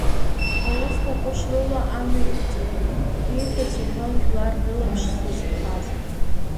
Аусқәа ҟәышрыла амҩа иқәҵатәуп, ииҳәац иҳәон жәлар рылаԥш зызхаз.